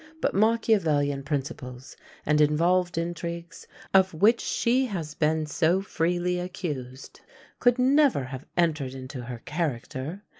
But Machiavelian principles, and involved intrigues, of which she has been so freely accused, could never have entered into her character.